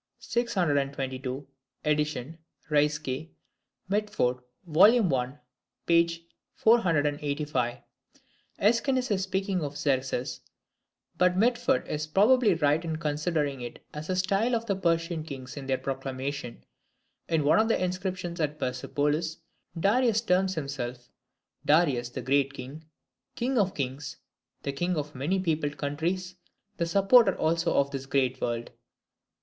622, ed. Reiske. Mitford, vol. i. p. 485. AEschines is speaking of Xerxes, but Mitford is probably right in considering it as the style of the Persian kings in their proclamations. In one of the inscriptions at Persepolis, Darius terms himself "Darius the great king, king of kings, the king of the many peopled countries, the supporter also of this great world."